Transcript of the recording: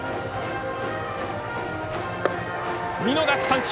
見逃し三振。